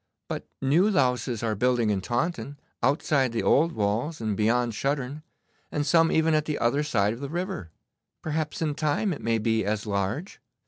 'But new louses are building in Taunton, outside the old walls, and beyond Shuttern, and some even at the other side of the river. Perhaps in time it may be as large.